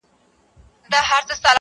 o د خره مرگ د سپو اختر دئ.